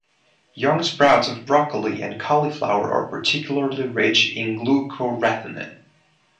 Young sprouts of broccoli and cauliflower are particularly rich in glucoraphanin.